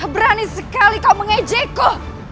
berani sekali kau mengejeku